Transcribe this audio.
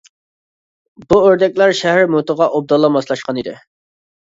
بۇ ئۆردەكلەر شەھەر مۇھىتىغا ئوبدانلا ماسلاشقان ئىدى.